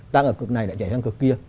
đang ở cực này lại chạy sang cực kia